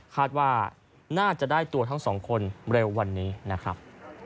คาดว่าน่าจะได้ตัวทั้งสองคนเร็ววันนี้นะครับ